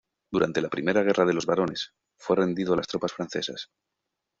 Durante la Primera Guerra de los Barones, fue rendido a las tropas francesas.